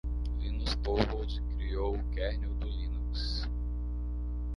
Linus Torvalds criou o kernel do Linux.